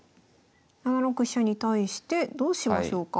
７六飛車に対してどうしましょうか？